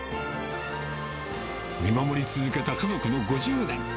見守り続けた家族の５０年。